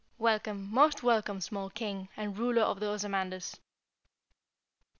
Welcome, most welcome, small King and ruler of the Ozamanders!"